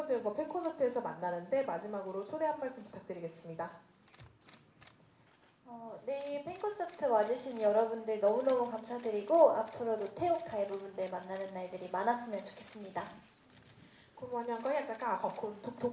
เนี่ยแฟนคอสเตอร์ตว่าอาจารย์ที่อาจารย์มาชนะขอบคุณมากต่อหลังเวลาเข้ามาที่ไทยและเมืองอื่น